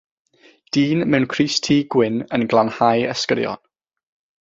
Dyn mewn crys-t gwyn yn glanhau ysgyrion.